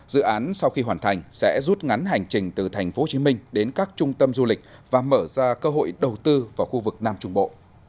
dự án sau khi hoàn thành sẽ rút ngắn hành trình từ tp hcm đến các trung tâm du lịch và mở ra cơ hội đầu tư vào khu vực nam trung bộ